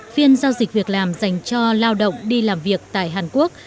phiên giao dịch việc làm dành cho lao động đi làm việc tại hàn quốc